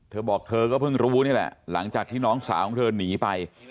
เธอบอกเธอก็เพิ่งรู้นี่แหละหลังจากที่น้องสาวของเธอหนีไป